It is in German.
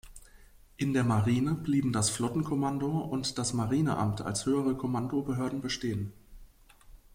In der Marine blieben das Flottenkommando und das Marineamt als Höhere Kommandobehörden bestehen.